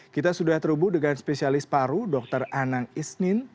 kita sudah terhubung dengan spesialis paru dr anang isnin